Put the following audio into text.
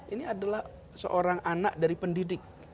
ini adalah seorang anak dari pendidik